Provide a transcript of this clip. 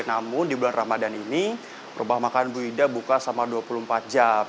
namun di bulan ramadan ini rumah makan bu ida buka selama dua puluh empat jam